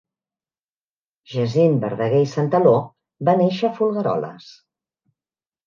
Jacint Verdaguer i Santaló va néixer a Folgueroles.